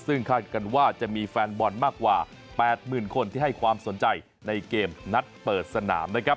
ซึ่งคาดกันว่าจะมีแฟนบอลมากกว่า๘๐๐๐คนที่ให้ความสนใจในเกมนัดเปิดสนามนะครับ